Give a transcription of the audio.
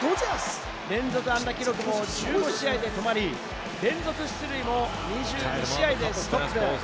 連続安打記録も１５試合で止まり、連続出塁も２２試合でストップ。